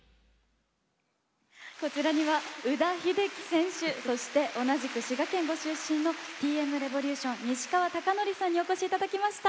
こちらには宇田秀生選手そして同じく滋賀県ご出身Ｔ．Ｍ．Ｒｅｖｏｌｕｔｉｏｎ西川貴教さんにお越しいただきました。